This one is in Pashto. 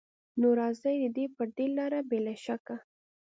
نو راځي دې پر دې لاره بې له شکه